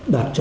nói chung là